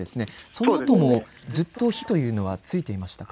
そのあとも、ずっと火というのはついていましたか。